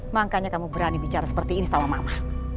makanya kamu berani bicara seperti ini sama mama